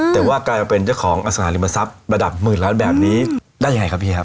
แต่ว่ากลายมาเป็นเจ้าของอสังหาริมทรัพย์ระดับหมื่นล้านแบบนี้ได้ยังไงครับพี่ครับ